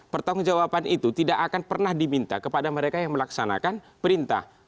pertanggung jawaban itu tidak akan pernah diminta kepada mereka yang melaksanakan perintah